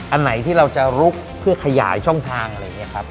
อันไหนที่เราจะลุกเพื่อขยายช่องทางอะไรอย่างนี้ครับ